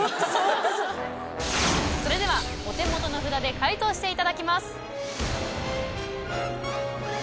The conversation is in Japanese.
それではお手元の札で解答していただきます。